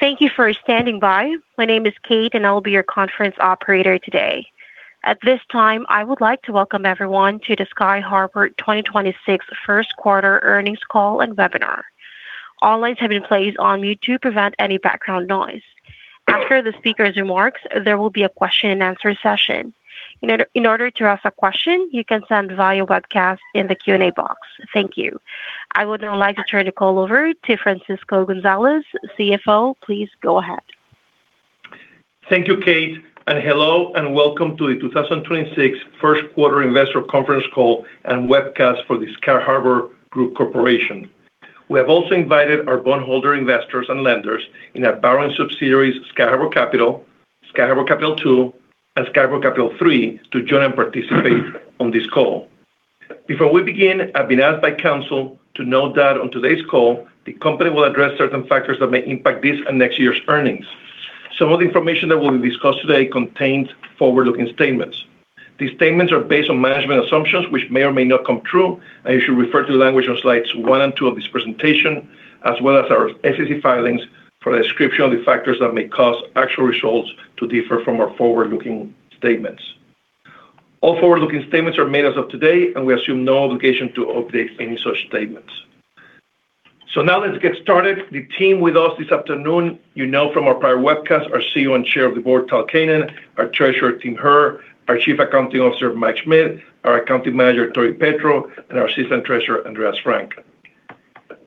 Thank you for standing by. My name is Kate. I will be your conference Operator today. At this time, I would like to welcome everyone to the Sky Harbour 2026 first quarter earnings call and webinar. All lines have been placed on mute to prevent any background noise. After the speaker's remarks, there will be a question and answer session. In order to ask a question, you can send via webcast in the Q&A box. Thank you. I would now like to turn the call over to Francisco Gonzalez, CFO. Please go ahead. Thank you, Kate, hello and welcome to the 2026 first quarter investor conference call and webcast for the Sky Harbour Group Corporation. We have also invited our bondholder investors and lenders in our borrowing subsidiaries, Sky Harbour Capital, Sky Harbour Capital II, and Sky Harbour Capital III to join and participate on this call. Before we begin, I've been asked by counsel to note that on today's call, the company will address certain factors that may impact this and next year's earnings. Some of the information that will be discussed today contains forward-looking statements. These statements are based on management assumptions which may or may not come true, and you should refer to the language on slides one and two of this presentation as well as our SEC filings for a description of the factors that may cause actual results to differ from our forward-looking statements. All forward-looking statements are made as of today, and we assume no obligation to update any such statements. Now let's get started. The team with us this afternoon you know from our prior webcast, our CEO and Chair of the Board, Tal Keinan, our Treasurer, Tim Herr, our Chief Accounting Officer, Mike Schmitt, our Accounting Manager, Tori Petro, and our Assistant Treasurer, Andreas Frank.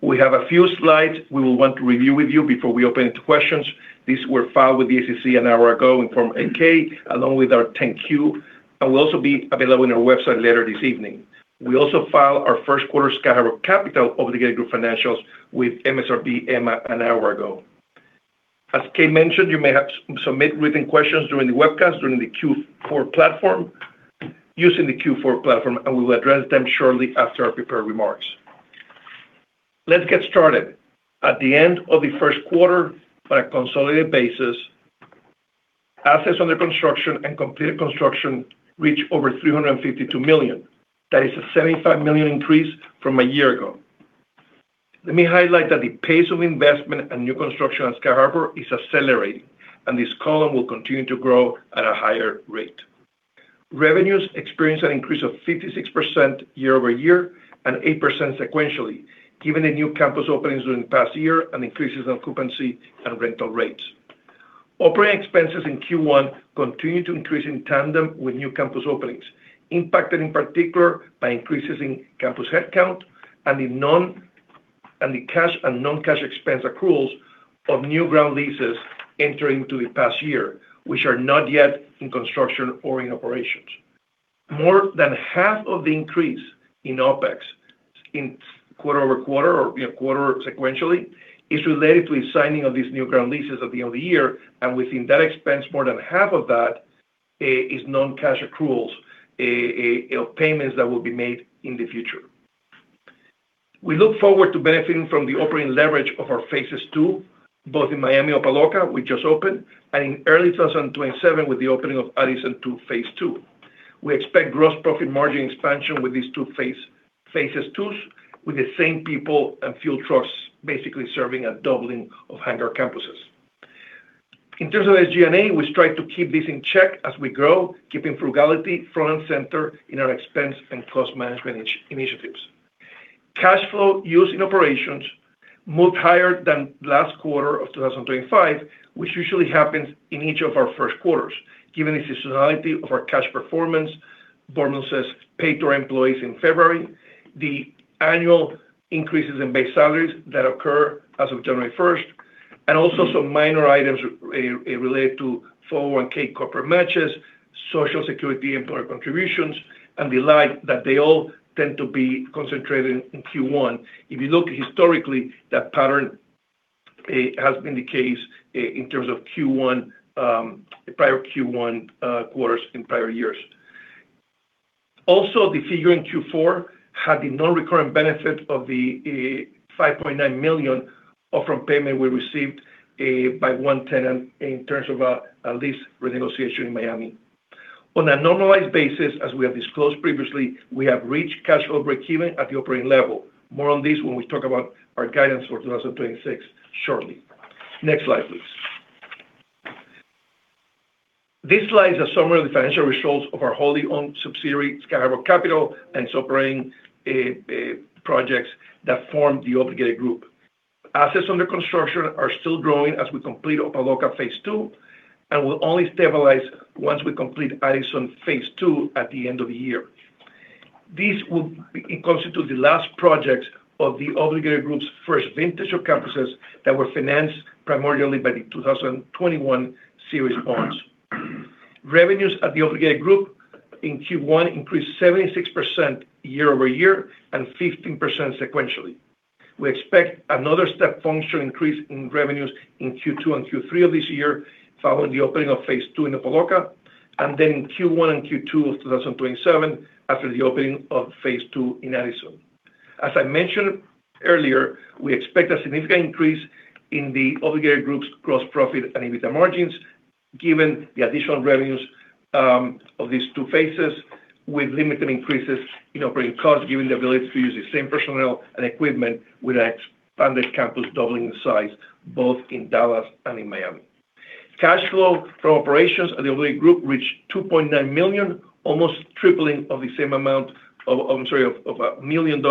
We have a few slides we will want to review with you before we open it to questions. These were filed with the SEC an hour ago in form 8-K along with our 10-Q, and will also be available on our website later this evening. We also filed our first quarter Sky Harbour Capital Obligated Group financials with MSRB EMMA an hour ago. As Kate mentioned, you may have submit written questions during the webcast using the Q4 platform, We will address them shortly after our prepared remarks. Let's get started. At the end of the first quarter, on a consolidated basis, assets under construction and completed construction reached over $352 million. That is a $75 million increase from one year ago. Let me highlight that the pace of investment and new construction at Sky Harbour is accelerating, This column will continue to grow at a higher rate. Revenues experienced an increase of 56% year-over-year and 8% sequentially, given the new campus openings during the past year and increases in occupancy and rental rates. Operating expenses in Q1 continued to increase in tandem with new campus openings, impacted in particular by increases in campus headcount and the cash and non-cash expense accruals of new ground leases entering into the past year, which are not yet in construction or in operations. More than half of the increase in OpEx in quarter-over-quarter or, you know, quarter sequentially, is related to the signing of these new ground leases at the end of the year. Within that expense, more than half of that is non-cash accruals, you know, payments that will be made in the future. We look forward to benefiting from the operating leverage of our phases II, both in Miami Opa-locka we just opened, and in early 2027 with the opening of Addison 2 phase II. We expect gross profit margin expansion with these two phase, phases II with the same people and fuel trucks basically serving a doubling of hangar campuses. In terms of SG&A, we strive to keep this in check as we grow, keeping frugality front and center in our expense and cost management initiatives. Cash flow used in operations moved higher than last quarter of 2025, which usually happens in each of our 1st quarters, given the seasonality of our cash performance, bonuses paid to our employees in February, the annual increases in base salaries that occur as of January 1st, and also some minor items related to 401(k) corporate matches, Social Security employer contributions, and the like that they all tend to be concentrated in Q1. If you look historically, that pattern has been the case in terms of Q1, prior Q1 quarters in prior years. Also, the figure in Q4 had the non-recurrent benefit of the $5.9 million upfront payment we received by one tenant in terms of a lease renegotiation in Miami. On a normalized basis, as we have disclosed previously, we have reached cash flow breakeven at the operating level. More on this when we talk about our guidance for 2026 shortly. Next slide, please. This slide is a summary of the financial results of our wholly owned subsidiary, Sky Harbour Capital, and its operating projects that form the Obligated Group. Assets under construction are still growing as we complete Opa-locka phase II and will only stabilize once we complete Addison phase II at the end of the year. This will constitute the last project of the Obligated Group's first vintage of campuses that were financed primarily by the Series 2021 bonds. Revenues at the Obligated Group in Q1 increased 76% year-over-year and 15% sequentially. We expect another step function increase in revenues in Q2 and Q3 of this year following the opening of phase II in Opa-locka, and then in Q1 and Q2 of 2027 after the opening of phase II in Addison. As I mentioned earlier, we expect a significant increase in the Obligated Group's gross profit and EBITDA margins, given the additional revenues of these two phases with limited increases in operating costs, given the ability to use the same personnel and equipment with an expanded campus doubling the size, both in Dallas and in Miami. Cash flow from operations of the Obligated Group reached $2.9 million, almost tripling of the same amount of $1 million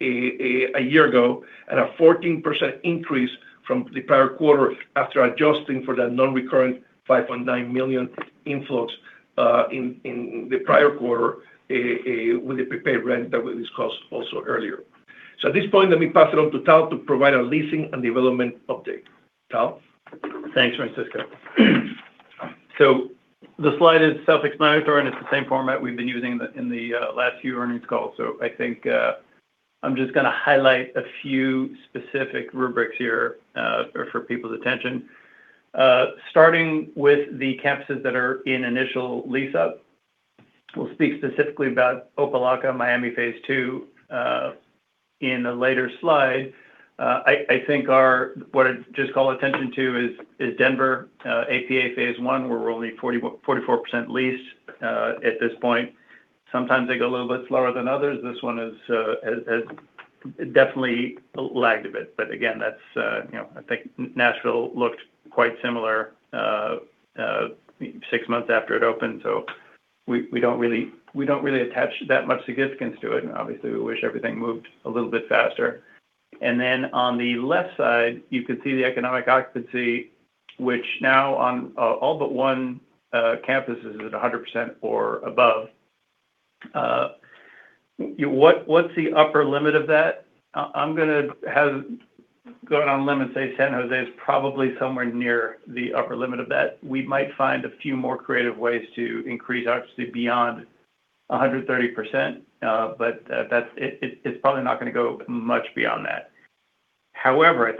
a year ago, a 14% increase from the prior quarter after adjusting for that non-recurrent $5.9 million influx in the prior quarter with the prepaid rent that we discussed also earlier. At this point, let me pass it on to Tal to provide our leasing and development update. Tal? Thanks, Francisco. The slide is self-explanatory, and it's the same format we've been using in the, in the last few earnings calls. I think I'm just gonna highlight a few specific rubrics here for people's attention. Starting with the campuses that are in initial lease-up. We'll speak specifically about Opa-locka, Miami phase II, in a later slide. What I'd just call attention to is Denver, APA phase I, where we're only 44% leased at this point. Sometimes they go a little bit slower than others. This one has definitely lagged a bit. Again, that's, you know, I think Nashville looked quite similar six months after it opened. We don't really attach that much significance to it. Obviously, we wish everything moved a little bit faster. On the left side, you can see the economic occupancy, which now on all but one campus is at 100% or above. What's the upper limit of that? I'm gonna go out on a limb and say San Jose is probably somewhere near the upper limit of that. We might find a few more creative ways to increase occupancy beyond 130%. But it's probably not gonna go much beyond that. However,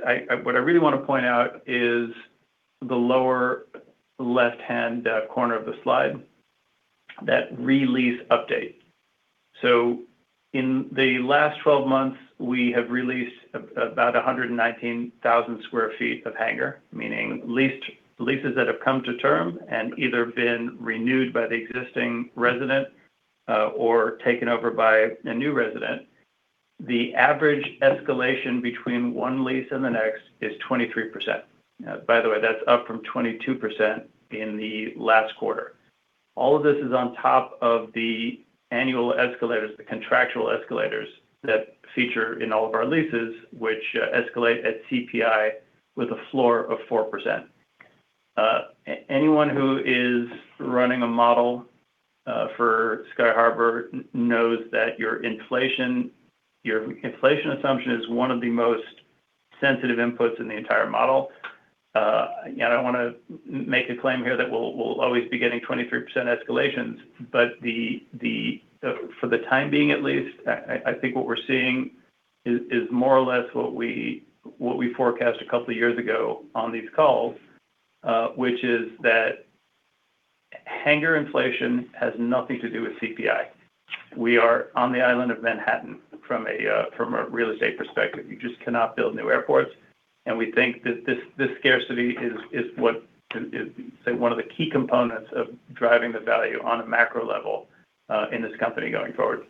what I really want to point out is the lower left-hand corner of the slide, that re-lease update. In the last 12 months, we have re-leased about 119,000 sq ft of hangar, meaning leases that have come to term and either been renewed by the existing resident or taken over by a new resident. The average escalation between one lease and the next is 23%. By the way, that's up from 22% in the last quarter. All of this is on top of the annual escalators, the contractual escalators that feature in all of our leases, which escalate at CPI with a floor of 4%. Anyone who is running a model for Sky Harbour knows that your inflation, your inflation assumption is one of the most sensitive inputs in the entire model. I don't wanna make a claim here that we'll always be getting 23% escalations, but for the time being, at least, I think what we're seeing is more or less what we forecast a couple of years ago on these calls, which is that hangar inflation has nothing to do with CPI. We are on the island of Manhattan from a real estate perspective. You just cannot build new airports. We think that this scarcity is what is, say, one of the key components of driving the value on a macro level in this company going forward.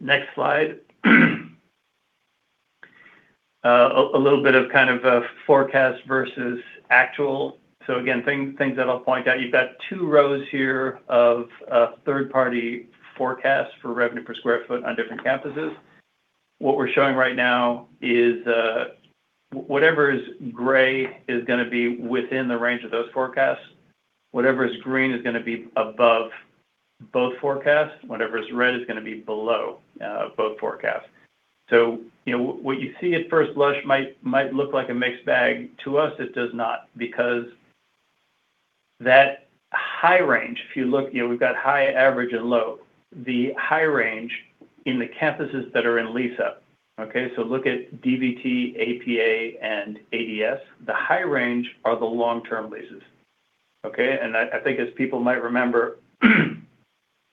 Next slide. A little bit of kind of forecast versus actual. Again, things that I'll point out, you've got two rows here of third-party forecasts for revenue per square foot on different campuses. What we're showing right now is whatever is gray is gonna be within the range of those forecasts. Whatever is green is gonna be above both forecasts. Whatever is red is gonna be below both forecasts. You know, what you see at first blush might look like a mixed bag. To us, it does not because that high range, if you look, you know, we've got high, average, and low. The high range in the campuses that are in lease-up, okay? Look at DVT, APA, and ADS. The high range are the long-term leases, okay? I think as people might remember,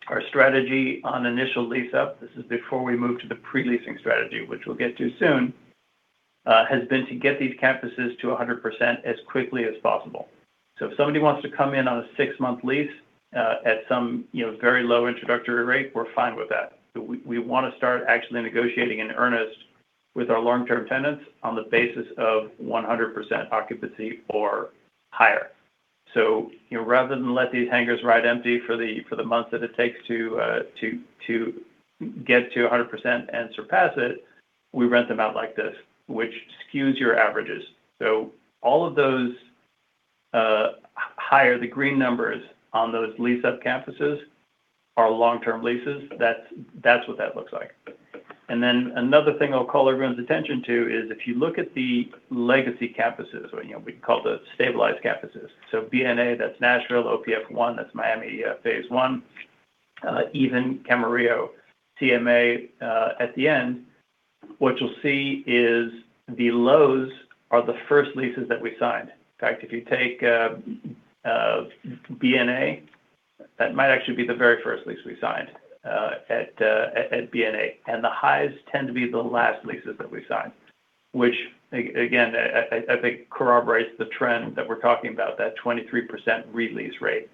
our strategy on initial lease-up, this is before we moved to the pre-leasing strategy, which we'll get to soon, has been to get these campuses to 100% as quickly as possible. If somebody wants to come in on a six-month lease, at some, you know, very low introductory rate, we're fine with that. We wanna start actually negotiating in earnest with our long-term tenants on the basis of 100% occupancy or higher. You know, rather than let these hangars ride empty for the month that it takes to get to 100% and surpass it, we rent them out like this, which skews your averages. All of those, higher the green numbers on those lease-up campuses are long-term leases. That's what that looks like. Then another thing I'll call everyone's attention to is if you look at the legacy campuses, or, you know, we can call those stabilized campuses. BNA, that's Nashville, OPF1, that's Miami, phase I, even Camarillo CMA, at the end, what you'll see is the lows are the first leases that we signed. In fact, if you take BNA, that might actually be the very first lease we signed at BNA. The highs tend to be the last leases that we signed, which again, I think corroborates the trend that we're talking about, that 23% re-lease rate.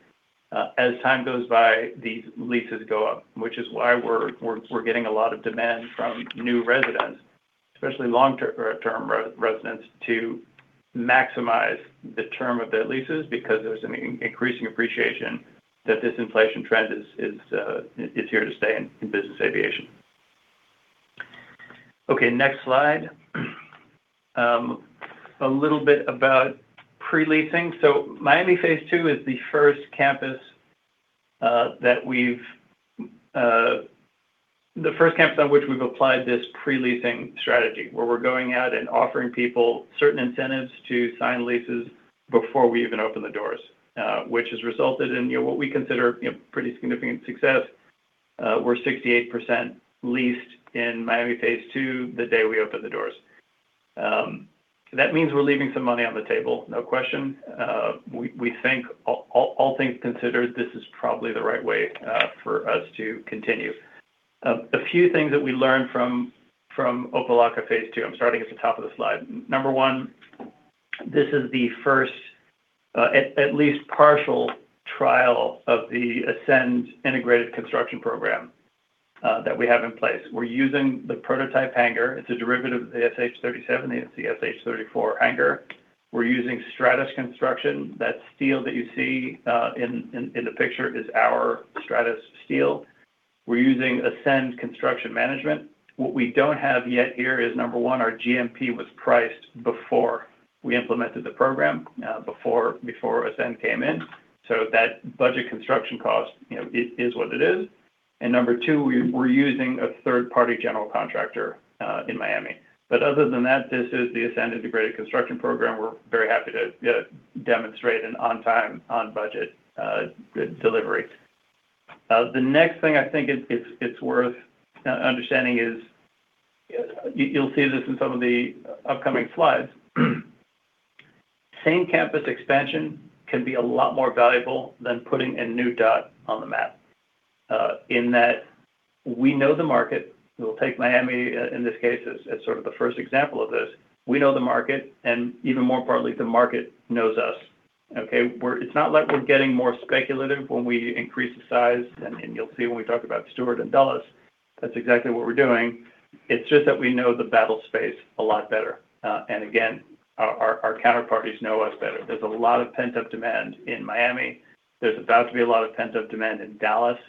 As time goes by, these leases go up, which is why we're getting a lot of demand from new residents, especially long-term residents, to maximize the term of their leases because there's an increasing appreciation that this inflation trend is here to stay in business aviation. Okay, next slide. A little bit about pre-leasing. Miami phase II is the first campus on which we've applied this pre-leasing strategy, where we're going out and offering people certain incentives to sign leases before we even open the doors, which has resulted in, you know, what we consider, you know, pretty significant success. We're 68% leased in Miami phase II the day we open the doors. That means we're leaving some money on the table, no question. We think all things considered, this is probably the right way for us to continue. A few things that we learned from Opa-locka phase II. I'm starting at the top of the slide. Number one, this is the first, at least partial trial of the Ascend Integrated Construction Program that we have in place. We're using the prototype hangar. It's a derivative of the SH-37, the SH-34 hangar. We're using Stratus Construction. That steel that you see in the picture is our Stratus steel. We're using Ascend Construction Management. What we don't have yet here is, number one, our GMP was priced before we implemented the program, before Ascend came in, so that budget construction cost, you know, it is what it is. Number two, we're using a third-party general contractor in Miami. Other than that, this is the Ascend Integrated Construction Program. We're very happy to demonstrate an on time, on budget, delivery. The next thing I think is, it's worth understanding is, you'll see this in some of the upcoming slides. Same campus expansion can be a lot more valuable than putting a new dot on the map, in that we know the market. We'll take Miami in this case as sort of the first example of this. We know the market, even more importantly, the market knows us, okay? It's not like we're getting more speculative when we increase the size. You'll see when we talk about Stewart and Dulles, that's exactly what we're doing. It's just that we know the battle space a lot better. Again, our counterparties know us better. There's a lot of pent-up demand in Miami. There's about to be a lot of pent-up demand in Dallas.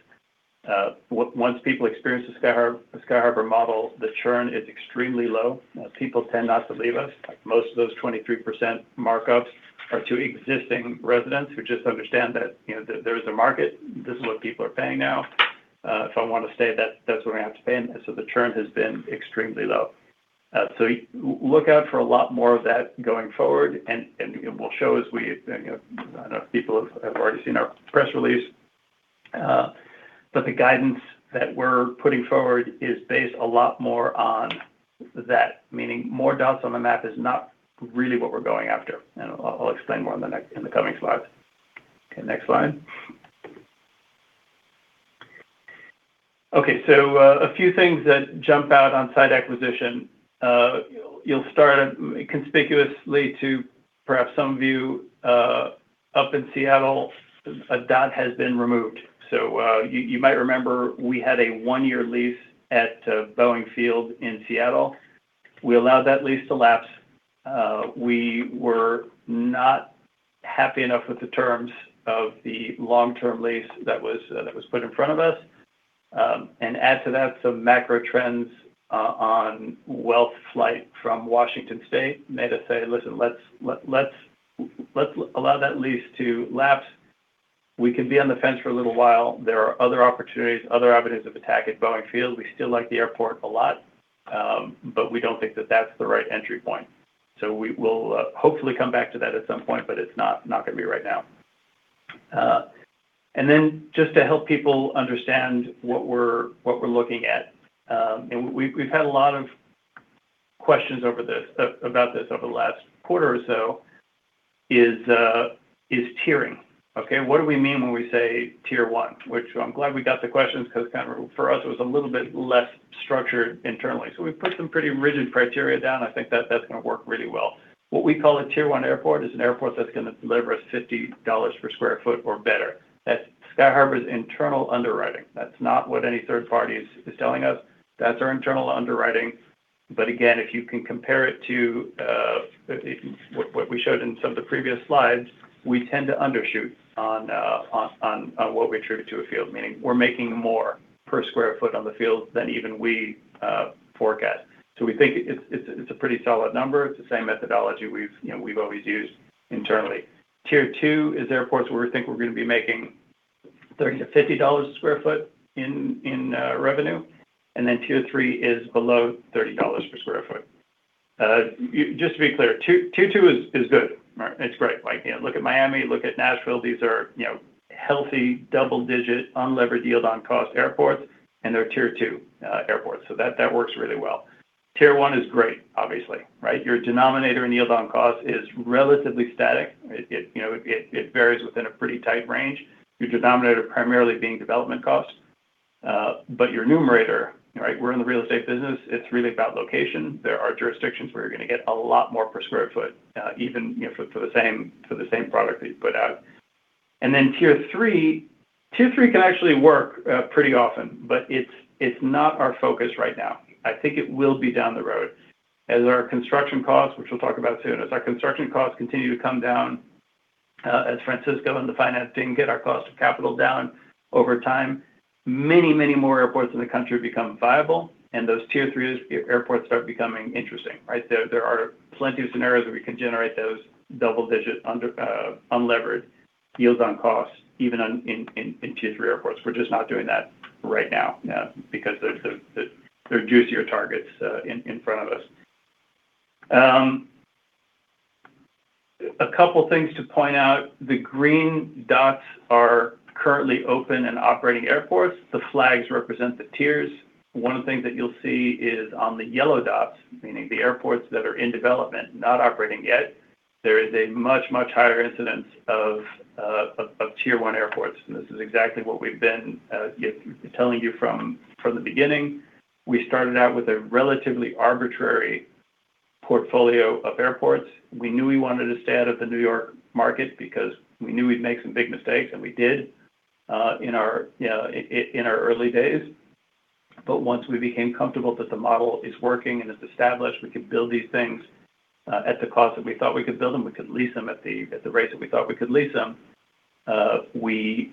Once people experience the Sky Harbour, the Sky Harbour model, the churn is extremely low. People tend not to leave us. Most of those 23% markups are to existing residents who just understand that, you know, there is a market. This is what people are paying now. If I want to stay, that's what I have to pay. The churn has been extremely low. Look out for a lot more of that going forward, and we'll show as we, you know I don't know if people have already seen our press release. The guidance that we're putting forward is based a lot more on that, meaning more dots on the map is not really what we're going after. I'll explain more in the coming slides. Next slide. A few things that jump out on site acquisition. You'll start conspicuously to perhaps some view, up in Seattle, a dot has been removed. You might remember we had a one-year lease at Boeing Field in Seattle. We allowed that lease to lapse. We were not happy enough with the terms of the long-term lease that was put in front of us. Add to that some macro trends on wealth flight from Washington State made us say, "Listen, let's allow that lease to lapse. We can be on the fence for a little while. There are other opportunities, other avenues of attack at Boeing Field. We still like the airport a lot, we don't think that that's the right entry point. We will hopefully come back to that at some point, but it's not gonna be right now. Just to help people understand what we're looking at, and we've had a lot of questions over this about this over the last quarter or so is tiering. Okay, what do we mean when we say tier one? Which I'm glad we got the questions because kind of for us it was a little bit less structured internally. We've put some pretty rigid criteria down. I think that that's gonna work really well. What we call a tier one airport is an airport that's gonna deliver us $50 per sq ft or better. That's Sky Harbour's internal underwriting. That's not what any third party is telling us. That's our internal underwriting. Again, if you can compare it to what we showed in some of the previous slides, we tend to undershoot on what we attribute to a field, meaning we're making more per square foot on the field than even we forecast. We think it's a pretty solid number. It's the same methodology we've, you know, we've always used internally. Tier two is airports where we think we're gonna be making $30-$50 a square foot in revenue. Tier three is below $30 per sq ft. Just to be clear, tier two is good. It's great. Like, you know, look at Miami, look at Nashville. These are, you know, healthy, double-digit, unlevered yield on cost airports, and they're tier two airports. That works really well. Tier one is great, obviously, right? Your denominator in yield on cost is relatively static. It, you know, it varies within a pretty tight range, your denominator primarily being development cost. Your numerator, right? We're in the real estate business. It's really about location. There are jurisdictions where you're gonna get a lot more per square foot, even, you know, for the same product that you put out. Then tier three can actually work pretty often, but it's not our focus right now. I think it will be down the road as our construction costs, which we'll talk about soon. As our construction costs continue to come down, as Francisco and the financing get our cost of capital down over time, many, many more airports in the country become viable, and those tier threes airports start becoming interesting, right? There are plenty of scenarios where we can generate those double-digit under unlevered yields on costs, even on tier three airports. We're just not doing that right now, because there are juicier targets in front of us. A couple things to point out. The green dots are currently open and operating airports. The flags represent the tiers. One of the things that you'll see is on the yellow dots, meaning the airports that are in development, not operating yet, there is a much, much higher incidence of tier one airports, and this is exactly what we've been telling you from the beginning. We started out with a relatively arbitrary portfolio of airports. We knew we wanted to stay out of the New York market because we knew we'd make some big mistakes, and we did, in our, you know, in our early days. Once we became comfortable that the model is working and is established, we could build these things at the cost that we thought we could build them, we could lease them at the rates that we thought we could lease them, we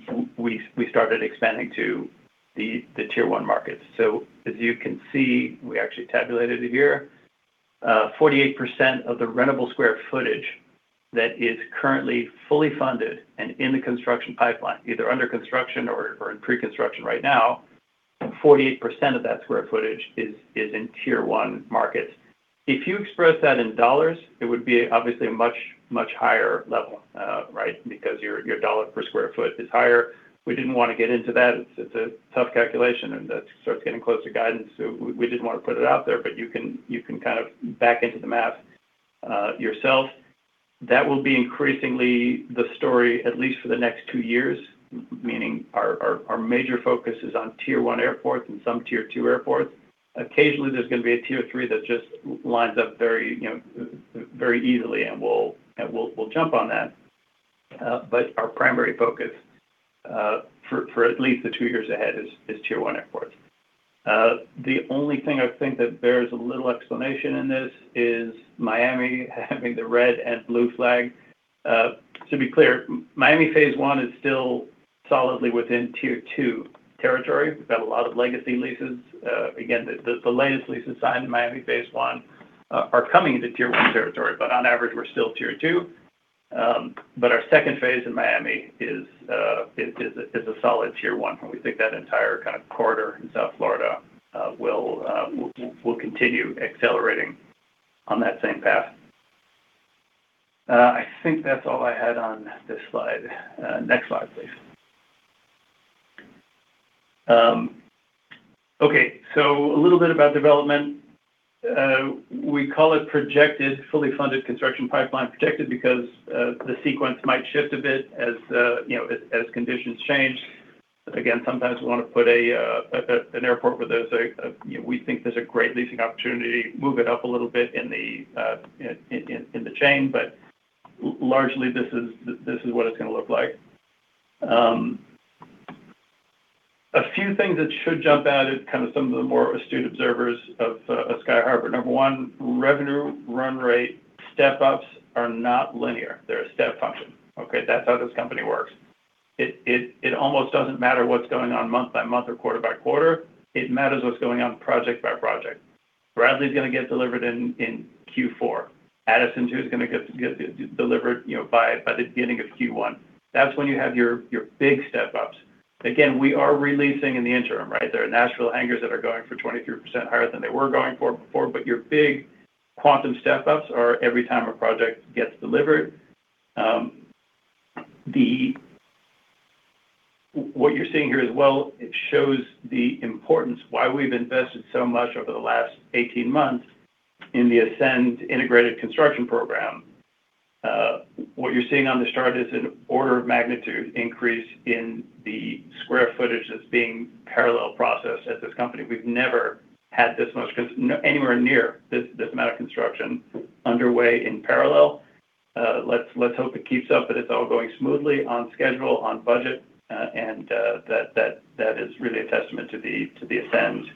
started expanding to the tier one markets. As you can see, we actually tabulated it here. 48% of the rentable square footage that is currently fully funded and in the construction pipeline, either under construction or in pre-construction right now, 48% of that square footage is in tier one markets. If you express that in dollars, it would be obviously a much higher level, right? Because your dollar per square foot is higher. We didn't want to get into that. It's a tough calculation, and that starts getting close to guidance, so we didn't want to put it out there. You can kind of back into the math yourself. That will be increasingly the story, at least for the next two years, meaning our major focus is on tier one airports and some tier two airports. Occasionally, there's going to be a tier three that just lines up very, you know, very easily, and we'll jump on that. Our primary focus for at least the two years ahead is tier one airports. The only thing I think that bears a little explanation in this is Miami having the red and blue flag. To be clear, Miami phase I is still solidly within tier two territory. We've got a lot of legacy leases. Again, the latest leases signed in Miami phase I are coming into tier one territory, on average, we're still tier two. Our second phase in Miami is a solid tier one, and we think that entire kind of quarter in South Florida will continue accelerating on that same path. I think that's all I had on this slide. Next slide, please. Okay. A little bit about development. We call it projected fully funded construction pipeline. Projected because the sequence might shift a bit as, you know, as conditions change. Again, sometimes we wanna put an airport where there's a, you know, we think there's a great leasing opportunity, move it up a little bit in the chain. Largely, this is what it's gonna look like. A few things that should jump out at kind of some of the more astute observers of Sky Harbour. Number one, revenue run rate step-ups are not linear. They're a step function, okay? That's how this company works. It almost doesn't matter what's going on month by month or quarter by quarter. It matters what's going on project by project. Bradley's gonna get delivered in Q4. Addison 2's gonna get delivered, you know, by the beginning of Q1. That's when you have your big step-ups. We are re-leasing in the interim, right? There are Nashville hangars that are going for 23% higher than they were going for before. Your big quantum step-ups are every time a project gets delivered. What you're seeing here as well, it shows the importance why we've invested so much over the last 18 months in the Ascend Integrated Construction Program. What you're seeing on this chart is an order of magnitude increase in the square footage that's being parallel processed at this company. We've never had this much anywhere near this amount of construction underway in parallel. Let's hope it keeps up, that it's all going smoothly, on schedule, on budget, and that is really a testament to the Ascend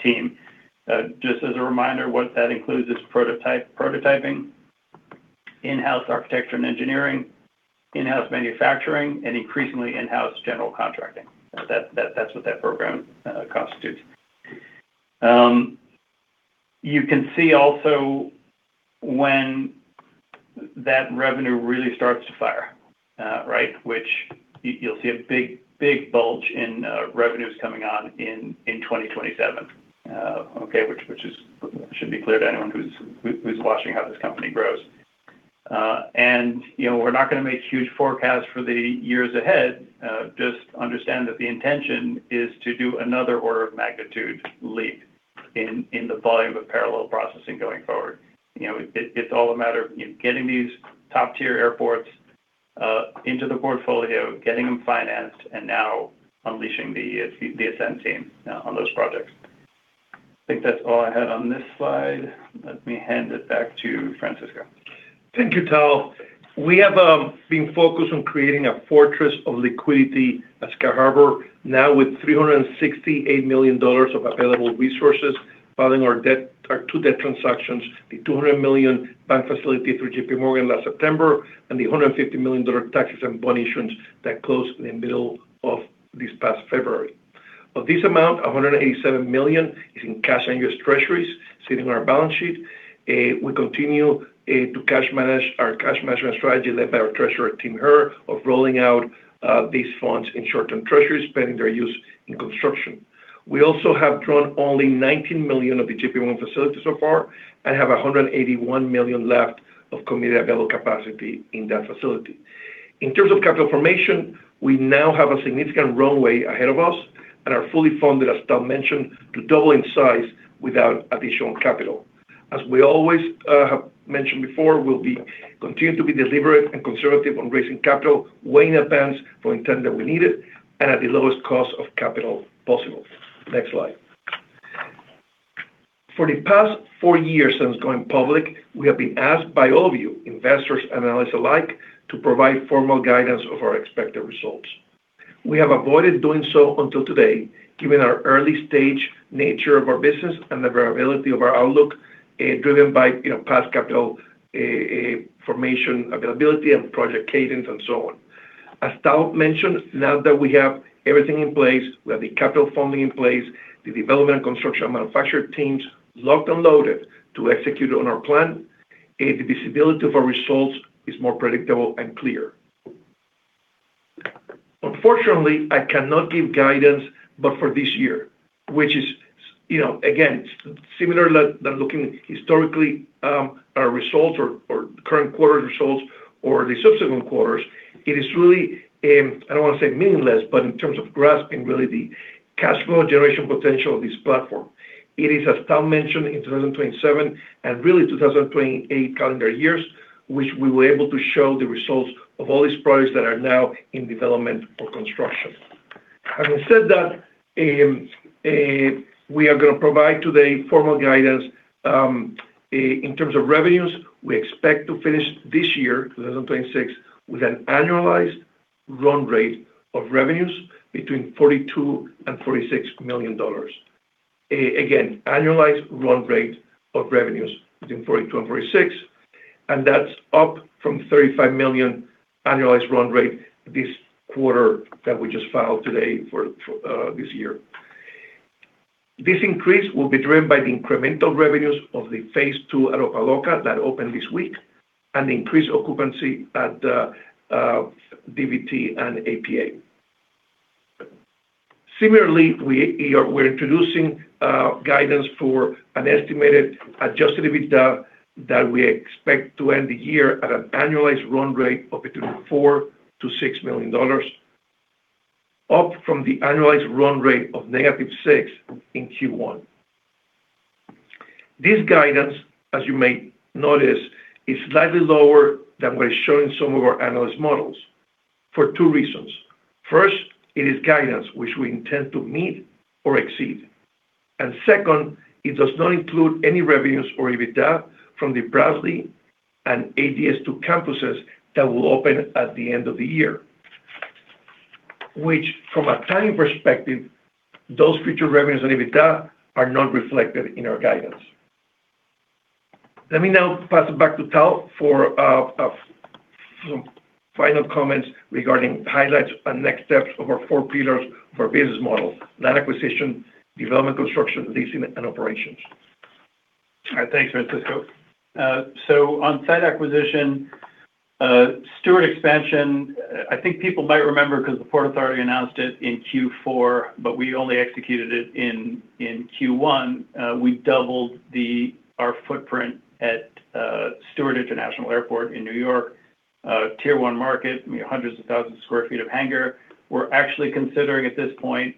team. Just as a reminder, what that includes is prototyping, in-house architecture and engineering, in-house manufacturing, and increasingly in-house general contracting. That's what that program constitutes. You can see also when that revenue really starts to fire, right? You'll see a big bulge in revenues coming on in 2027. Which is, should be clear to anyone who's watching how this company grows. You know, we're not gonna make huge forecasts for the years ahead. Just understand that the intention is to do another order of magnitude leap in the volume of parallel processing going forward. You know, it, it's all a matter of, you know, getting these top-tier airports into the portfolio, getting them financed, and now unleashing the Ascend team on those projects. I think that's all I had on this slide. Let me hand it back to Francisco. Thank you, Tal. We have been focused on creating a fortress of liquidity at Sky Harbour, now with $368 million of available resources following our two debt transactions, the $200 million bank facility through JPMorgan last September, and the $150 million tax-exempt bond issuance that closed in the middle of this past February. Of this amount, $187 million is in cash and U.S. Treasuries sitting on our balance sheet. We continue to cash manage our cash management strategy led by our Treasurer, Tim Herr, of rolling out these funds in short-term treasuries, pending their use in construction. We also have drawn only $19 million of the JPMorgan facility so far and have $181 million left of committed available capacity in that facility. In terms of capital formation, we now have a significant runway ahead of us and are fully funded, as Tal mentioned, to double in size without additional capital. As we always have mentioned before, we continue to be deliberate and conservative on raising capital way in advance for any time that we need it and at the lowest cost of capital possible. Next slide. For the past four years since going public, we have been asked by all of you, investors and analysts alike, to provide formal guidance of our expected results. We have avoided doing so until today, given our early-stage nature of our business and the variability of our outlook, driven by, you know, past capital formation availability and project cadence and so on. As Tal mentioned, now that we have everything in place, we have the capital funding in place, the development and construction and manufacture teams locked and loaded to execute on our plan, the visibility of our results is more predictable and clear. Unfortunately, I cannot give guidance but for this year, which is, you know, again, similar that looking historically, our results or current quarter results or the subsequent quarters, it is really, I don't want to say meaningless, but in terms of grasping really the cash flow generation potential of this platform. It is, as Tal mentioned, in 2027 and really 2028 calendar years, which we will be able to show the results of all these projects that are now in development or construction. Having said that, we are gonna provide today formal guidance in terms of revenues. We expect to finish this year, 2026, with an annualized run rate of revenues between $42 million and $46 million. Again, annualized run rate of revenues between $42 million and $46 million, and that's up from $35 million annualized run rate this quarter that we just filed today for this year. This increase will be driven by the incremental revenues of the phase II at Opa-locka that opened this week and increased occupancy at DVT and APA. Similarly, we're introducing guidance for an estimated adjusted EBITDA that we expect to end the year at an annualized run rate of between $4 million-$6 million, up from the annualized run rate of -$6 million in Q1. This guidance, as you may notice, is slightly lower than we're showing some of our analyst models for two reasons. It is guidance which we intend to meet or exceed. Second, it does not include any revenues or EBITDA from the Bradley and ADS2 campuses that will open at the end of the year, which from a timing perspective, those future revenues and EBITDA are not reflected in our guidance. Let me now pass it back to Tal for some final comments regarding highlights and next steps of our four pillars for business model, land acquisition, development construction, leasing, and operations. All right. Thanks, Francisco. On site acquisition, Stewart expansion, I think people might remember 'cause the Port Authority announced it in Q4, but we only executed it in Q1. We doubled our footprint at Stewart International Airport in New York, tier one market, you know, hundreds of thousands of square feet of hangar. We're actually considering at this point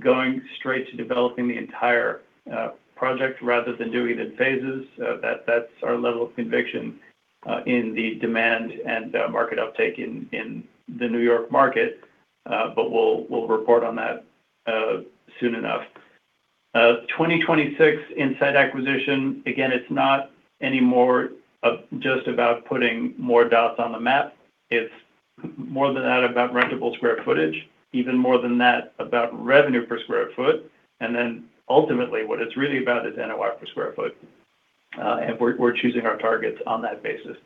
going straight to developing the entire project rather than doing it in phases. That's our level of conviction in the demand and market uptake in the New York market. We'll report on that soon enough. 2026 in site acquisition, again, it's not anymore just about putting more dots on the map. It's more than that about rentable square footage, even more than that about revenue per square foot. Ultimately, what it's really about is NOI per square foot. We're choosing our targets on that basis.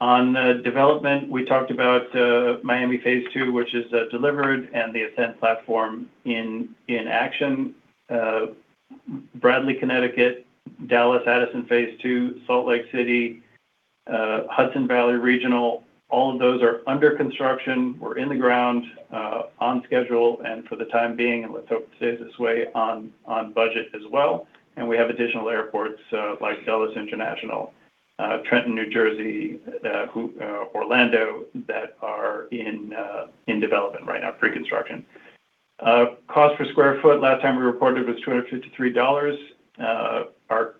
Development, we talked about Miami phase II, which is delivered and the Ascend platform in action. Bradley, Connecticut, Dallas, Addison phase II, Salt Lake City, Hudson Valley Regional, all of those are under construction. We're in the ground, on schedule, for the time being, and let's hope it stays this way, on budget as well. We have additional airports, like Dulles International, Trenton, New Jersey, Orlando, that are in development right now, pre-construction. Cost per square foot, last time we reported was $253. Our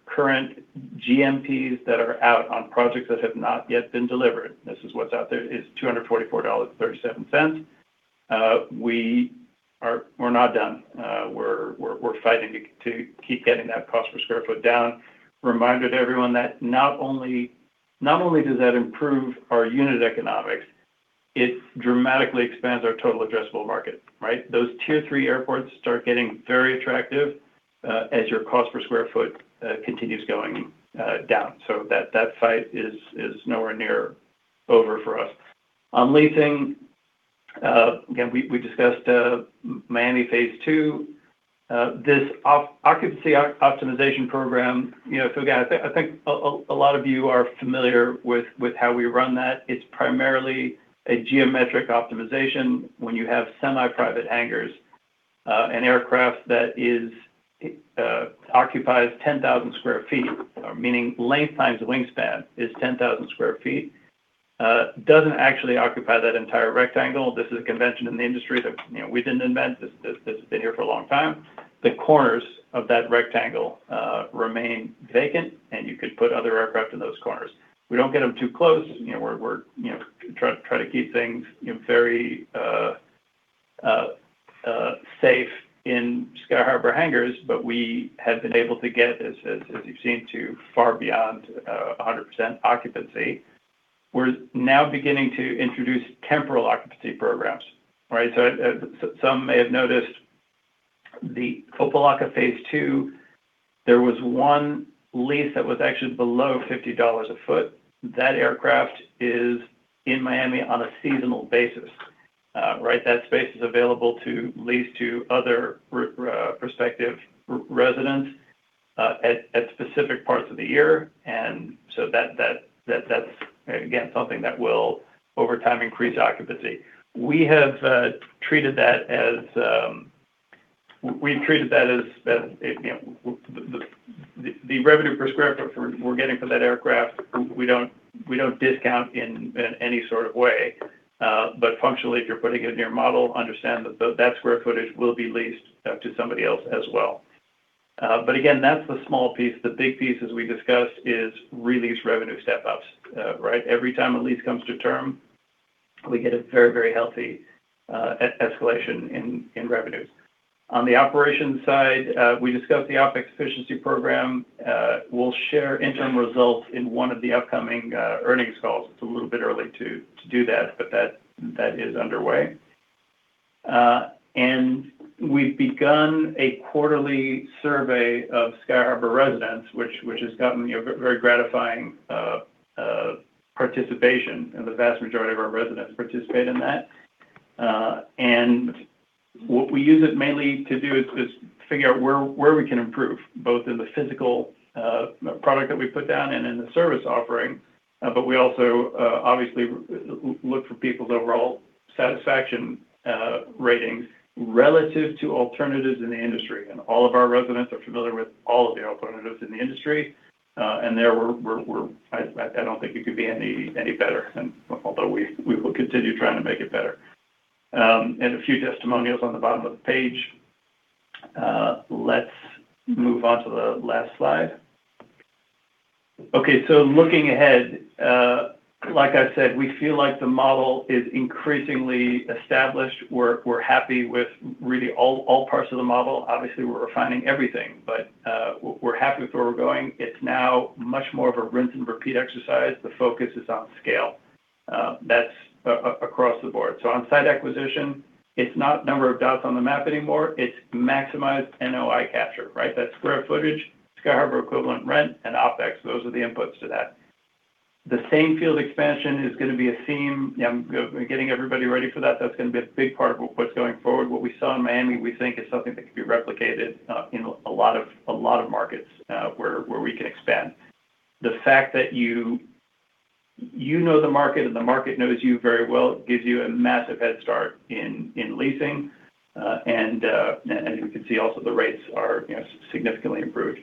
current GMPs that are out on projects that have not yet been delivered, this is what's out there, is $244.37. We're not done. We're fighting to keep getting that cost per square foot down. Reminder to everyone that not only does that improve our unit economics, it dramatically expands our total addressable market, right? Those tier three airports start getting very attractive as your cost per square foot continues going down. That fight is nowhere near over for us. On leasing, again, we discussed Miami phase II. This occupancy optimization program, you know, if you guys I think a lot of you are familiar with how we run that. It's primarily a geometric optimization when you have semi-private hangars. An aircraft that is occupies 10,000 sq ft, meaning length times wingspan is 10,000 sq ft, doesn't actually occupy that entire rectangle. This is a convention in the industry that, you know, we didn't invent. This has been here for a long time. The corners of that rectangle remain vacant, and you could put other aircraft in those corners. We don't get them too close. You know, we're, you know, try to keep things, you know, very safe in Sky Harbour hangars. We have been able to get, as you've seen, to far beyond 100% occupancy. We're now beginning to introduce temporal occupancy programs, right? Some may have noticed the Opa-locka phase II, there was one lease that was actually below $50 a foot. That aircraft is in Miami on a seasonal basis. That space is available to lease to other prospective re-residents at specific parts of the year. That's, again, something that will over time increase occupancy. We've treated that as, you know, the revenue per square foot we're getting from that aircraft, we don't discount in any sort of way. Functionally, if you're putting it in your model, understand that square footage will be leased to somebody else as well. Again, that's the small piece. The big piece, as we discussed, is re-lease revenue step-ups. Every time a lease comes to term, we get a very, very healthy escalation in revenues. On the operations side, we discussed the OpEx efficiency program. We'll share interim results in one of the upcoming earnings calls. It's a little bit early to do that, but that is underway. And we've begun a quarterly survey of Sky Harbour residents, which has gotten, you know, very gratifying participation, and the vast majority of our residents participate in that. And what we use it mainly to do is figure out where we can improve, both in the physical product that we put down and in the service offering. But we also obviously look for people's overall satisfaction ratings relative to alternatives in the industry. All of our residents are familiar with all of the alternatives in the industry. I don't think it could be any better than, although we will continue trying to make it better. A few testimonials on the bottom of the page. Let's move on to the last slide. Okay. Looking ahead, like I said, we feel like the model is increasingly established. We're happy with really all parts of the model. Obviously, we're refining everything. We're happy with where we're going. It's now much more of a rinse and repeat exercise. The focus is on scale. That's across the board. On site acquisition, it's not number of dots on the map anymore. It's maximize NOI capture, right? That's square footage, Sky Harbour equivalent rent, and OpEx. Those are the inputs to that. The same-field expansion is gonna be a theme. You know, we're getting everybody ready for that. That's gonna be a big part of what's going forward. What we saw in Miami, we think is something that could be replicated in a lot of, a lot of markets where we can expand. The fact that you know the market and the market knows you very well gives you a massive head start in leasing. You can see also the rates are, you know, significantly improved.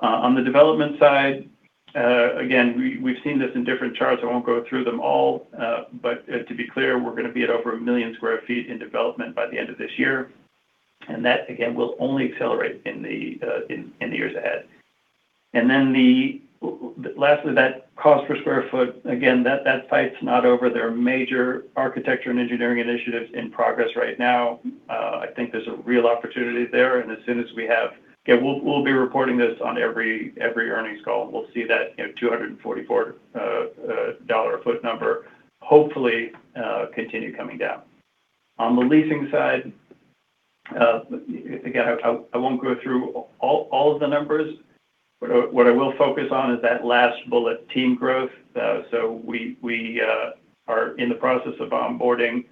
On the development side, again, we've seen this in different charts. I won't go through them all. To be clear, we're gonna be at over 1 million sq ft in development by the end of this year. That again will only accelerate in the years ahead. Lastly, that cost per square foot, again, that fight's not over. There are major architecture and engineering initiatives in progress right now. I think there's a real opportunity there as soon as we have. Yeah, we'll be reporting this on every earnings call. We'll see that, you know, $244 a foot number hopefully continue coming down. On the leasing side, again, I won't go through all of the numbers. What I will focus on is that last bullet, team growth. We are in the process of onboarding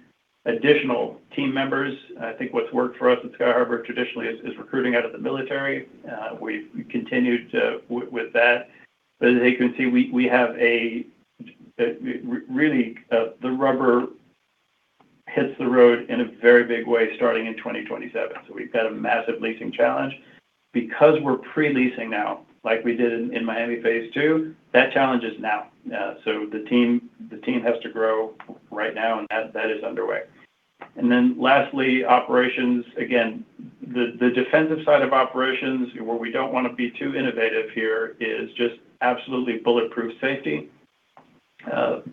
additional team members. I think what's worked for us at Sky Harbour traditionally is recruiting out of the military. We've continued with that. As you can see, we have a really the rubber hits the road in a very big way starting in 2027. We've got a massive leasing challenge. Because we're pre-leasing now, like we did in Miami phase II, that challenge is now. The team has to grow right now, and that is underway. Lastly, operations. Again, the defensive side of operations where we don't wanna be too innovative here is just absolutely bulletproof safety,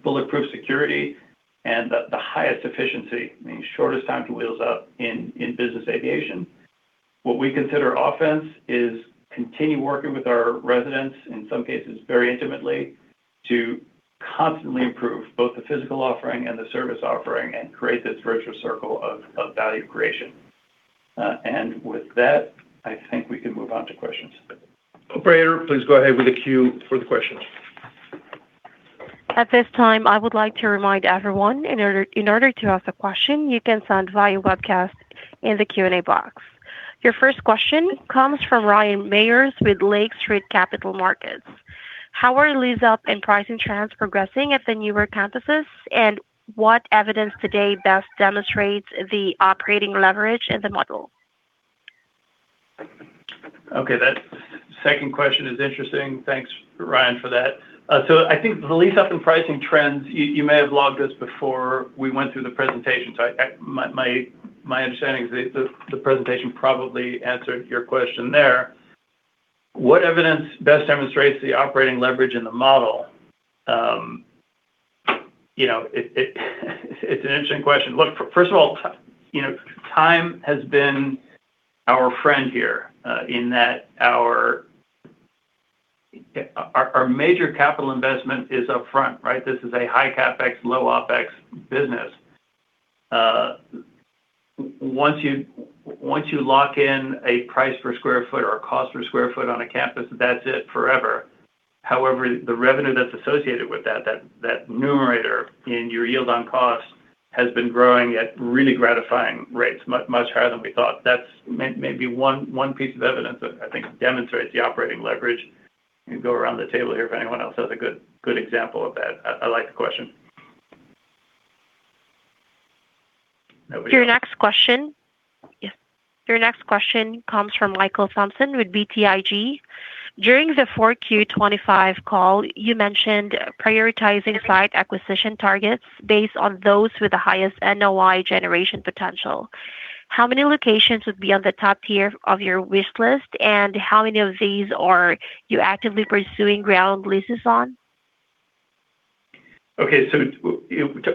bulletproof security, and the highest efficiency, meaning shortest time to wheels up in business aviation. What we consider offense is continue working with our residents, in some cases very intimately, to constantly improve both the physical offering and the service offering and create this virtuous circle of value creation. With that, I think we can move on to questions. Operator, please go ahead with the queue for the questions. At this time, I would like to remind everyone, in order to ask a question, you can send via webcast in the Q&A box. Your first question comes from Ryan Meyers with Lake Street Capital Markets. How are lease-up and pricing trends progressing at the newer campuses, and what evidence today best demonstrates the operating leverage in the model? Okay. That second question is interesting. Thanks, Ryan, for that. I think the lease-up and pricing trends, you may have logged us before we went through the presentation. I my understanding is the presentation probably answered your question there. What evidence best demonstrates the operating leverage in the model? You know, it's an interesting question. Look, first of all, you know, time has been our friend here, in that our major capital investment is upfront, right? This is a high CapEx, low OpEx business. Once you lock in a price per square foot or a cost per square foot on a campus, that's it forever. The revenue that's associated with that numerator in your yield on cost has been growing at really gratifying rates, much higher than we thought. That's maybe one piece of evidence that I think demonstrates the operating leverage. You can go around the table here if anyone else has a good example of that. I like the question. Nobody else? Your next question comes from Michael Thompson with BTIG. During the Q4 2025 call, you mentioned prioritizing site acquisition targets based on those with the highest NOI generation potential. How many locations would be on the top tier of your wish list, and how many of these are you actively pursuing ground leases on? Okay.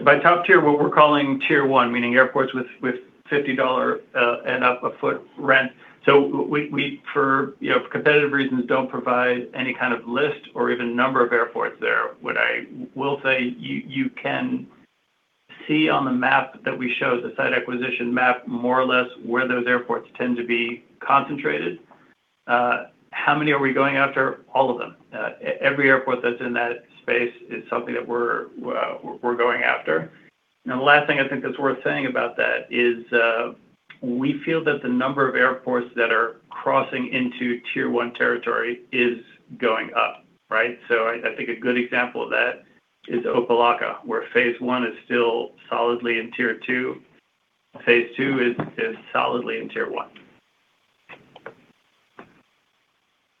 By top tier, what we're calling tier one, meaning airports with $50 and up a foot rent. We for, you know, competitive reasons don't provide any kind of list or even number of airports there. What I will say, you can see on the map that we show, the site acquisition map, more or less where those airports tend to be concentrated. How many are we going after? All of them. Every airport that's in that space is something that we're going after. The last thing I think that's worth saying about that is we feel that the number of airports that are crossing into tier one territory is going up, right? I think a good example of that is Opa-locka, where phase I is still solidly in tier two. Phase II is solidly in tier one.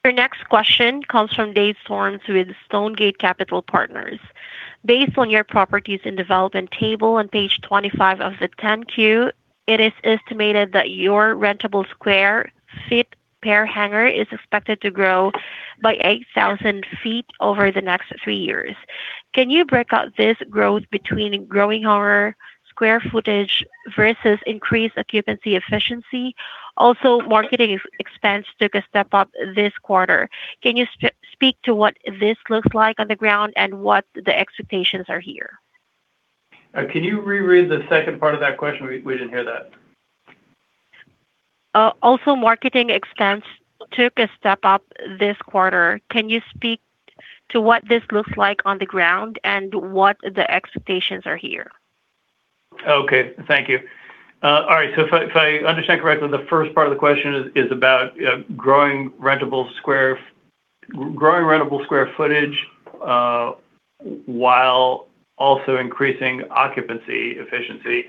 Your next question comes from Dave Storms with Stonegate Capital Partners. Based on your properties and development table on page 25 of the 10-Q, it is estimated that your rentable square feet per hangar is expected to grow by 8,000 ft over the next three years. Can you break out this growth between growing our square footage versus increased occupancy efficiency? Also, marketing expense took a step up this quarter. Can you speak to what this looks like on the ground and what the expectations are here? Can you reread the second part of that question? We didn't hear that. Also marketing expense took a step up this quarter. Can you speak to what this looks like on the ground and what the expectations are here? Okay. Thank you. All right. If I, if I understand correctly, the first part of the question is about growing rentable square footage while also increasing occupancy efficiency.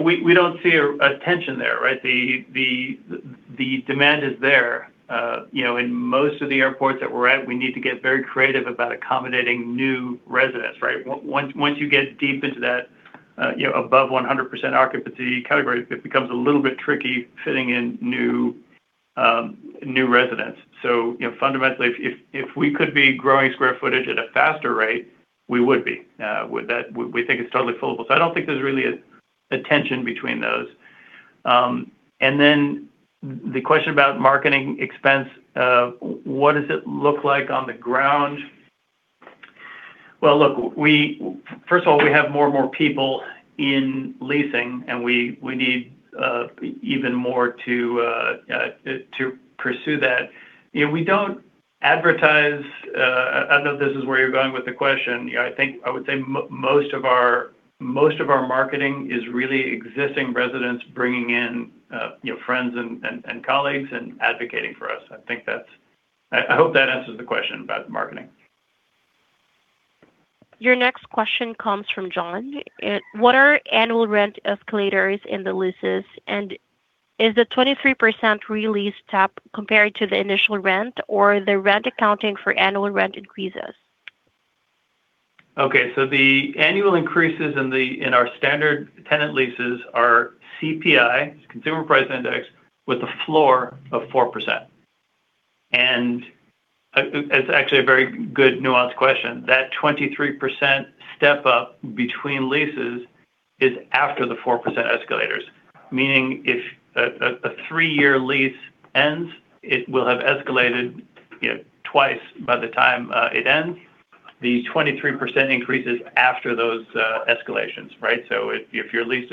We don't see a tension there, right? The demand is there. You know, in most of the airports that we're at, we need to get very creative about accommodating new residents, right? Once you get deep into that, you know, above 100% occupancy category, it becomes a little bit tricky fitting in new new residents. You know, fundamentally, if we could be growing square footage at a faster rate, we would be. We think it's totally foolproof. I don't think there's really a tension between those. The question about marketing expense, what does it look like on the ground? Well, look, first of all, we have more and more people in leasing, and we need even more to pursue that. You know, we don't advertise. I don't know if this is where you're going with the question. You know, I think I would say most of our marketing is really existing residents bringing in, you know, friends and colleagues and advocating for us. I think I hope that answers the question about marketing. Your next question comes from John. What are annual rent escalators in the leases? Is the 23% re-lease step compared to the initial rent or the rent accounting for annual rent increases? Okay. The annual increases in our standard tenant leases are CPI, consumer price index, with a floor of 4%. It's actually a very good nuanced question. That 23% step up between leases is after the 4% escalators. Meaning if a three-year lease ends, it will have escalated, you know, twice by the time it ends. The 23% increase is after those escalations, right? If your lease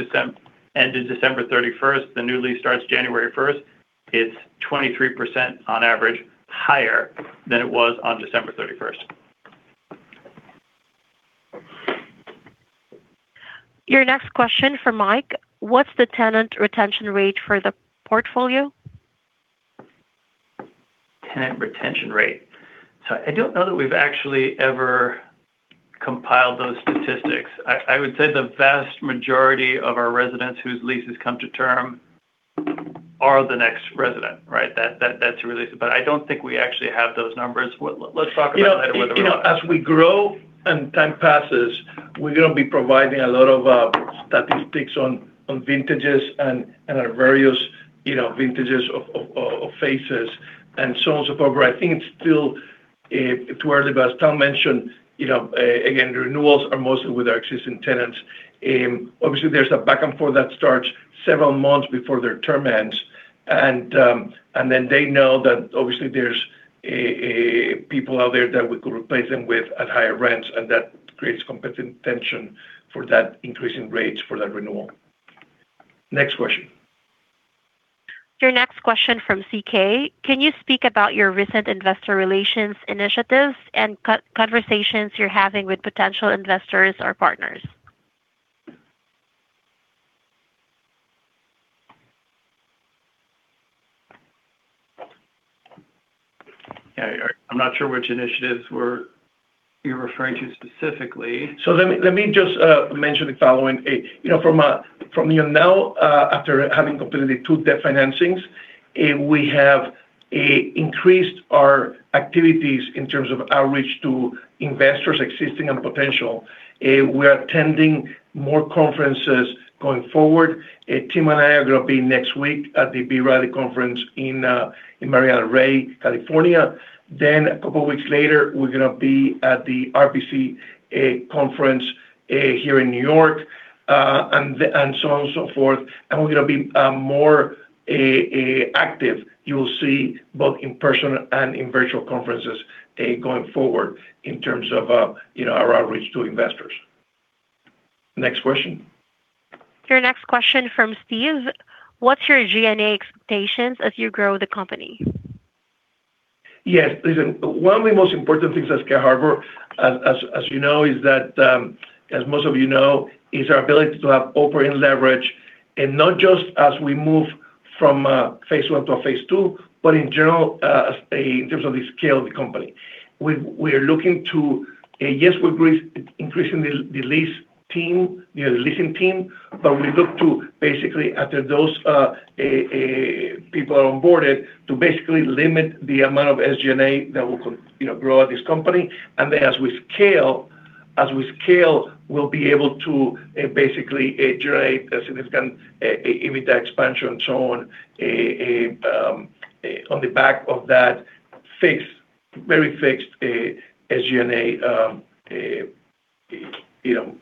ends December 31st, the new lease starts January 1st, it's 23% on average higher than it was on December 31st. Your next question from Mike. What's the tenant retention rate for the portfolio? Tenant retention rate. I don't know that we've actually ever compiled those statistics. I would say the vast majority of our residents whose leases come to term are the next resident, right? That's re-leased. But I don't think we actually have those numbers. Well, let's talk about that over the- You know, as we grow and time passes, we're gonna be providing a lot of statistics on vintages and our various, you know, vintages of phases and so on and so forth. I think it's still too early. As Tal mentioned, you know, again, renewals are mostly with our existing tenants. Obviously, there's a back and forth that starts several months before their term ends. Then they know that obviously there's a people out there that we could replace them with at higher rents, and that creates competitive tension for that increase in rates for that renewal. Next question. Your next question from CK. Can you speak about your recent investor relations initiatives and co-conversations you're having with potential investors or partners? Yeah. I'm not sure which initiatives you're referring to specifically. Let me just mention the following. You know, from, you know, now, after having completed the two debt financings, we have increased our activities in terms of outreach to investors existing and potential. We are attending more conferences going forward. Tim and I are going to be next week at the B. Riley Securities conference in Marina del Rey, California. A couple weeks later, we're going to be at the RBC conference here in New York, and so on and so forth. We're going to be more active, you'll see, both in person and in virtual conferences, going forward in terms of, you know, our outreach to investors. Next question. Your next question from Steve. What's your G&A expectations as you grow the company? Yes. Listen, one of the most important things at Sky Harbour, as you know, is that, as most of you know, is our ability to have operating leverage. Not just as we move from phase I to a phase II, but in general, as in terms of the scale of the company. We are looking to yes, we're increasing the leasing team, but we look to basically after those people are onboarded to basically limit the amount of SG&A that will you know, grow at this company. As we scale, we'll be able to basically generate a significant EBITDA expansion and so on the back of that fixed, very fixed SG&A, you know,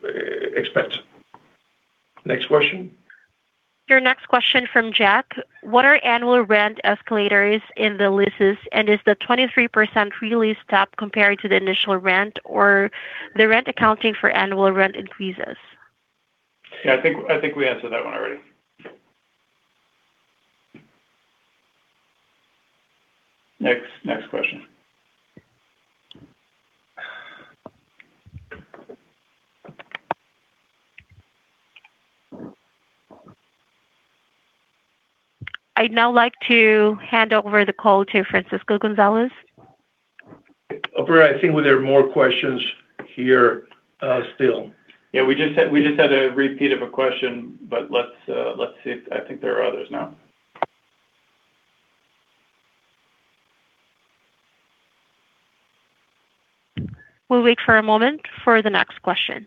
expense. Next question. Your next question from Jack. What are annual rent escalators in the leases, is the 23% really stepped compared to the initial rent or the rent accounting for annual rent increases? Yeah. I think we answered that one already. Next question. I'd now like to hand over the call to Francisco Gonzalez. Operator, I think there are more questions here, still. Yeah. We just had a repeat of a question. Let's see if I think there are others now. We'll wait for a moment for the next question.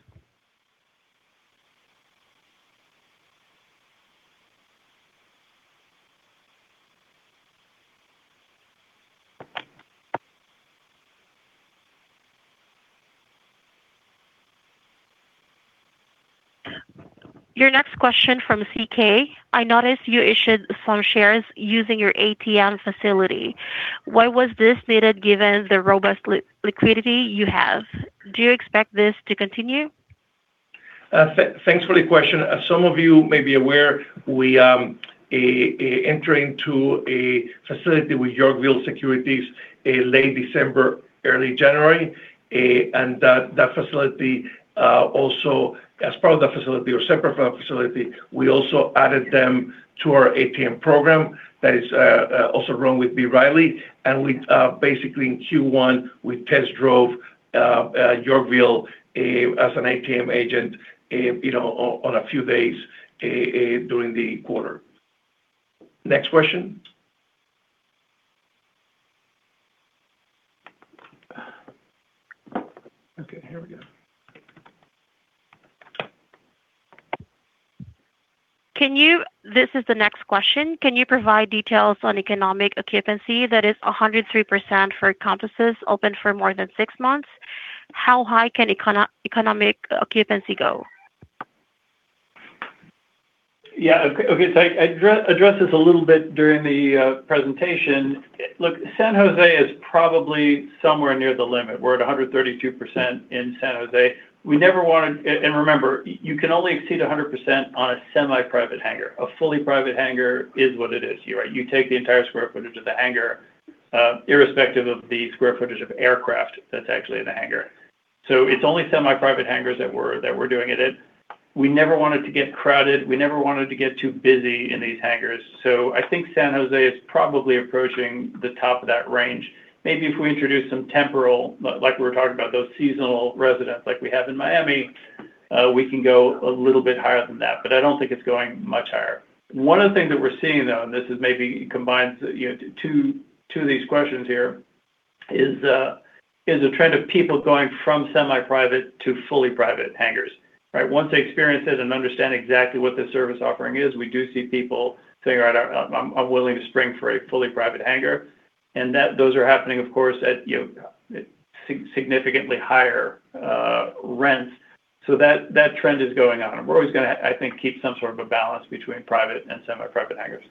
Your next question from CK. I noticed you issued some shares using your ATM facility. Why was this needed given the robust liquidity you have? Do you expect this to continue? Thanks for the question. As some of you may be aware, we entering to a facility with Yorkville Advisors late December, early January. That facility, also as part of that facility or separate from that facility, we also added them to our ATM program that is also run with B. Riley. We basically in Q1 test drove Yorkville as an ATM agent, you know, on a few days during the quarter. Next question. This is the next question. Can you provide details on economic occupancy that is 103% for campuses open for more than six months? How high can economic occupancy go? Yeah. Okay, okay, I addressed this a little bit during the presentation. Look, San Jose is probably somewhere near the limit. We're at 132% in San Jose. We never want to. Remember, you can only exceed 100% on a semi-private hangar. A fully private hangar is what it is. You, right, you take the entire square footage of the hangar, irrespective of the square footage of aircraft that's actually in the hangar. It's only semi-private hangars that we're doing it in. We never want it to get crowded. We never want it to get too busy in these hangars. I think San Jose is probably approaching the top of that range. Maybe if we introduce some temporal, like we were talking about, those seasonal residents like we have in Miami, we can go a little bit higher than that. I don't think it's going much higher. One of the things that we're seeing, though, this is maybe combines, you know, two of these questions here, is a trend of people going from semi-private to fully private hangars, right? Once they experience it and understand exactly what the service offering is, we do see people saying, "All right, I'm willing to spring for a fully private hangar." Those are happening, of course, at, you know, significantly higher rents. That trend is going on. We're always gonna, I think, keep some sort of a balance between private and semi-private hangars.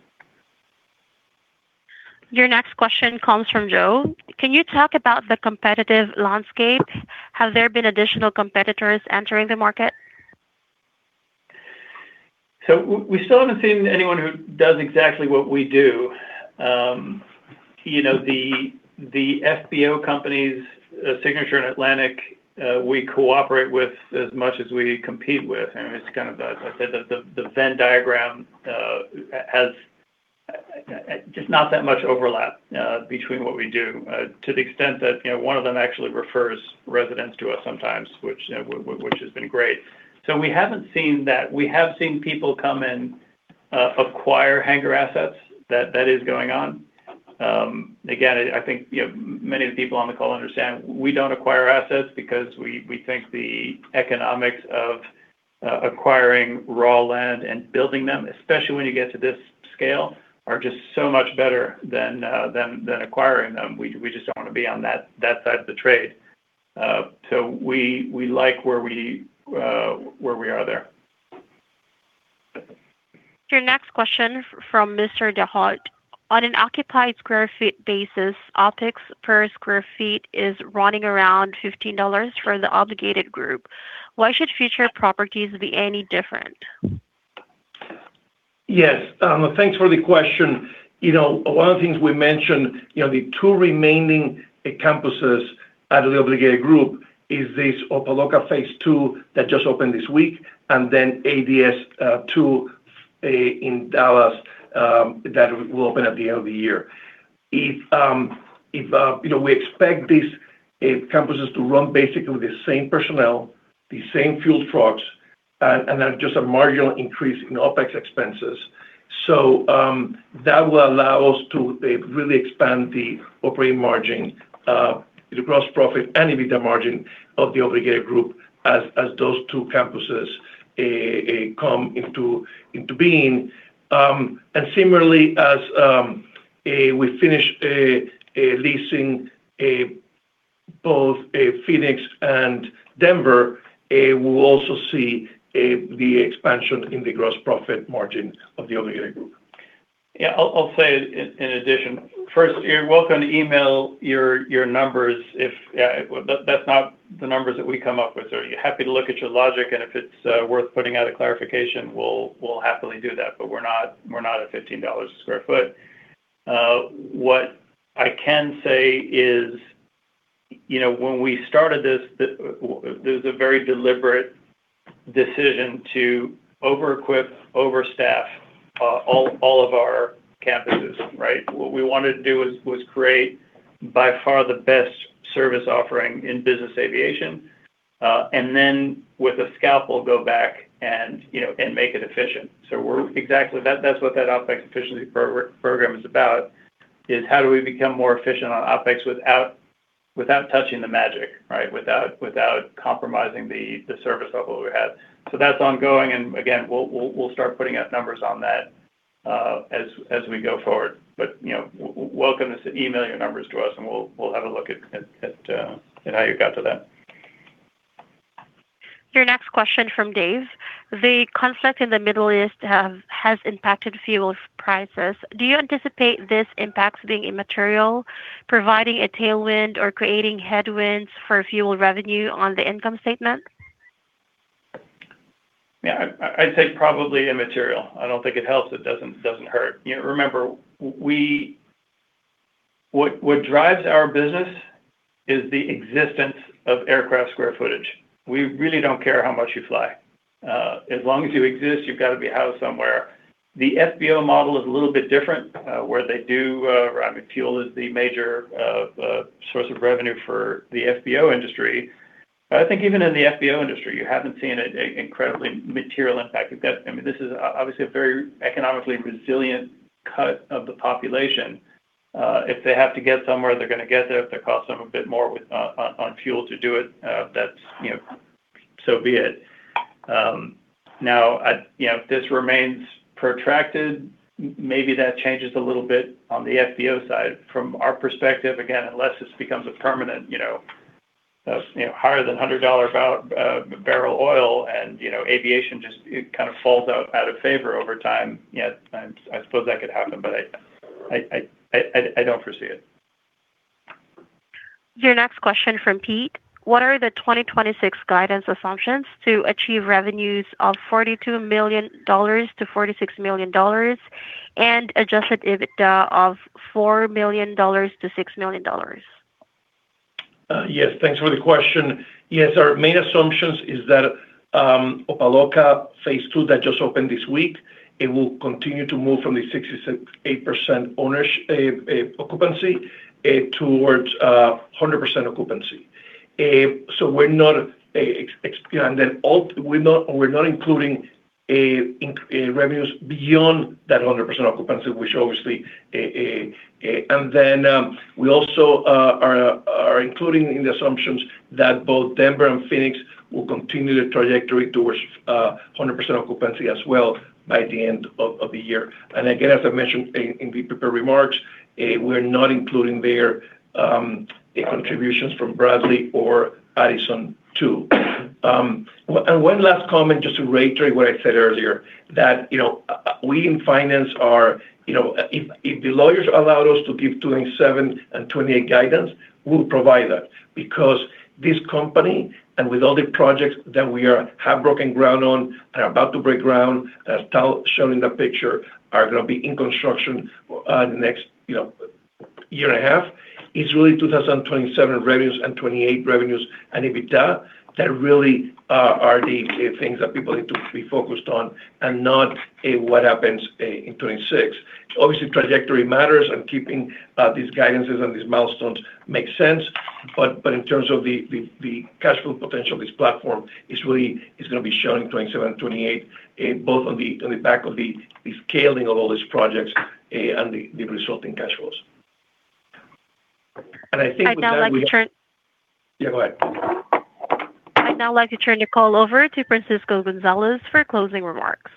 Your next question comes from Joe. Can you talk about the competitive landscape? Have there been additional competitors entering the market? We still haven't seen anyone who does exactly what we do. You know, the FBO companies, Signature and Atlantic, we cooperate with as much as we compete with. It's kind of, as I said, the Venn diagram has just not that much overlap between what we do to the extent that, you know, one of them actually refers residents to us sometimes, which has been great. We haven't seen that. We have seen people come and acquire hangar assets. That is going on. Again, I think, you know, many of the people on the call understand, we don't acquire assets because we think the economics of acquiring raw land and building them, especially when you get to this scale, are just so much better than acquiring them. We just don't want to be on that side of the trade. We like where we are there. Your next question from Mr. DeHalt. On an occupied square feet basis, OpEx per square feet is running around $15 for the Obligated Group. Why should future properties be any different? Yes. Thanks for the question. You know, one of the things we mentioned, you know, the two remaining campuses at the Obligated Group is this Opa-locka phase II that just opened this week, and then ADS 2 in Dallas that will open at the end of the year. If, you know, we expect these campuses to run basically the same personnel, the same fuel trucks, and then just a marginal increase in OpEx expenses. That will allow us to really expand the operating margin, the gross profit and EBITDA margin of the Obligated Group as those two campuses come into being. Similarly, as we finish leasing both Phoenix and Denver, we'll also see the expansion in the gross profit margin of the Obligated Group. I'll say in addition. First, you're welcome to email your numbers if That's not the numbers that we come up with. Happy to look at your logic, and if it's worth putting out a clarification, we'll happily do that. We're not at $15 sq ft. What I can say is, you know, when we started this, there's a very deliberate decision to over-equip, overstaff, all of our campuses, right? What we wanted to do is create by far the best service offering in business aviation, and then with a scalpel, go back and, you know, make it efficient. That's what that OpEx efficiency program is about, is how do we become more efficient on OpEx without touching the magic, right? Without compromising the service level we have. That's ongoing, and again, we'll start putting out numbers on that, as we go forward. You know, welcome to email your numbers to us, and we'll have a look at how you got to that. Your next question from Dave. The conflict in the Middle East has impacted fuel prices. Do you anticipate this impact being immaterial, providing a tailwind or creating headwinds for fuel revenue on the income statement? Yeah, I'd say probably immaterial. I don't think it helps. It doesn't hurt. You know, remember what drives our business is the existence of aircraft square footage. We really don't care how much you fly. As long as you exist, you've gotta be housed somewhere. The FBO model is a little bit different, where they do, I mean, fuel is the major source of revenue for the FBO industry. I think even in the FBO industry, you haven't seen a incredibly material impact. You've got I mean, this is obviously a very economically resilient cut of the population. If they have to get somewhere, they're gonna get there. If it costs them a bit more with on fuel to do it, that's, you know, so be it. Now, I, you know, if this remains protracted, maybe that changes a little bit on the FBO side. From our perspective, again, unless this becomes a permanent, you know, higher than $100, barrel oil and, you know, aviation just, it kind of falls out of favor over time, I'm, I suppose that could happen. I don't foresee it. Your next question from Pete. What are the 2026 guidance assumptions to achieve revenues of $42 million-$46 million and adjusted EBITDA of $4 million-$6 million? Yes, thanks for the question. Yes, our main assumptions is that Opa-locka phase II that just opened this week, it will continue to move from the 68% occupancy towards 100% occupancy. We're not, You know, we're not including revenues beyond that 100% occupancy. We also are including in the assumptions that both Denver and Phoenix will continue the trajectory towards 100% occupancy as well by the end of the year. Again, as I mentioned in the prepared remarks, we're not including there the contributions from Bradley or Addison 2. One last comment, just to reiterate what I said earlier, that we in finance are If the lawyers allow us to give 2027 and 2028 guidance, we'll provide that because this company, and with all the projects that we have broken ground on and about to break ground, as Tal showed in the picture, are gonna be in construction in the next year and a half. It's really 2027 revenues and 28 revenues and EBITDA that really are the things that people need to be focused on and not what happens in 2026. Obviously, trajectory matters, and keeping these guidances and these milestones makes sense. In terms of the cash flow potential of this platform, it's really gonna be shown in 2027 and 2028, both on the back of the scaling of all these projects, and the resulting cash flows. I'd now like to turn. Yeah, go ahead. I'd now like to turn your call over to Francisco Gonzalez for closing remarks.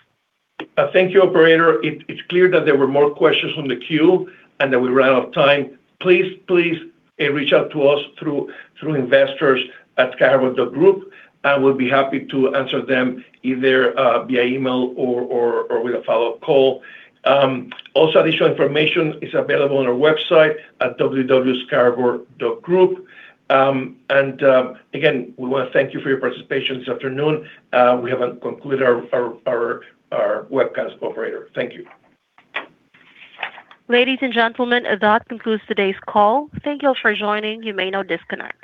Thank you, operator. It's clear that there were more questions on the queue and that we ran out of time. Please reach out to us through investors@skyharbour.group. I would be happy to answer them either via email or with a follow-up call. Also, additional information is available on our website at www.skyharbour.group. Again, we wanna thank you for your participation this afternoon. We have concluded our webcast, operator. Thank you. Ladies and gentlemen, that concludes today's call. Thank you all for joining. You may now disconnect.